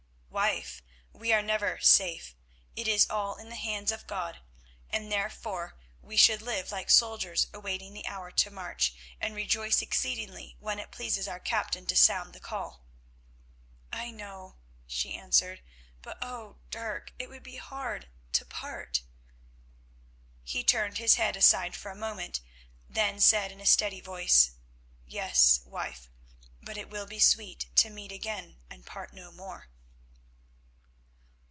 "Wife, we are never safe. It is all in the hands of God, and, therefore, we should live like soldiers awaiting the hour to march, and rejoice exceedingly when it pleases our Captain to sound the call." "I know," she answered; "but, oh! Dirk, it would be hard—to part." He turned his head aside for a moment, then said in a steady voice, "Yes, wife, but it will be sweet to meet again and part no more."